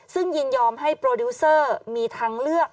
ซึ่งยินยอมให้โปรดิวเซอร์มีทางเลือก